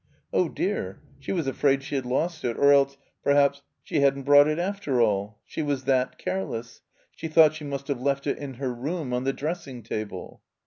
Oh, dear, she was afraid she had lost it, or else — perhaps — she hadn't brought it after all. She was that careless. She thought she must have left it in her room on the dressing table.